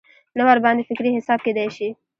نه ورباندې فکري حساب کېدای شي.